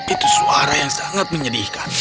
itu suara yang sangat menyedihkan